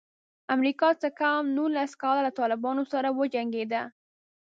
امریکا څه کم نولس کاله له طالبانو سره وجنګېده.